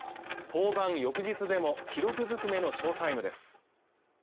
登板翌日でも記録ずくめのショータイムです